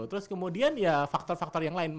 terus kemudian ya faktor faktor yang lain